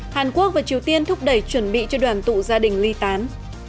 hàn quốc và triều tiên thúc đẩy chuẩn bị cho đoàn tụ gia đình ly tán